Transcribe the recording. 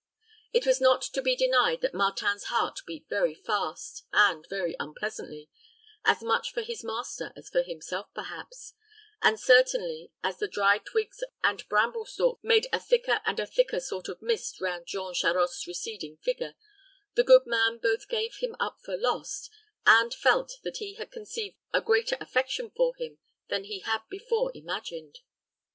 It is not to be denied that Martin's heart beat very fast, and very unpleasantly, as much for his master as for himself perhaps; and certainly, as the dry twigs and bramble stalks made a thicker and a thicker sort of mist round Jean Charost's receding figure, the good man both gave him up for lost, and felt that he had conceived a greater affection for him than he had before imagined.